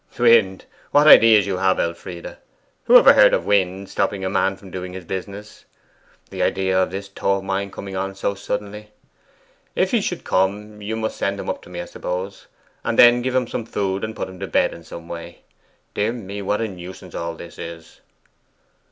'Wind! What ideas you have, Elfride! Who ever heard of wind stopping a man from doing his business? The idea of this toe of mine coming on so suddenly!...If he should come, you must send him up to me, I suppose, and then give him some food and put him to bed in some way. Dear me, what a nuisance all this is!